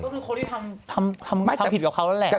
ก็คือคนที่ทำผิดกับเขานั่นแหละ